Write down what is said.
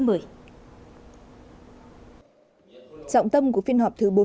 hãy đăng ký kênh để ủng hộ kênh của chúng mình nhé